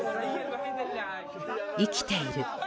生きている。